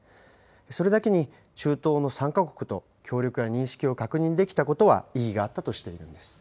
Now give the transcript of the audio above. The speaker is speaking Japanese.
それだけに、中東の３か国と協力や認識を確認できたことは、意義があったとしているんです。